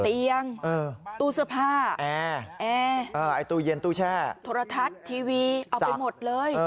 เตียงตู้เสื้อผ้าแอร์ไอ้ตู้เย็นตู้แช่โทรทัศน์ทีวีเอาไปหมดเลย